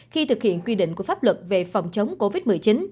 khi thực hiện quy định của pháp luật về phòng chống covid một mươi chín